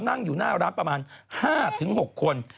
นั่งอยู่หน้าร้านประมาณ๕๖คน